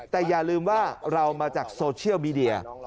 แต่อย่าลืมว่าเรามาจากโซเชียลมีเดีย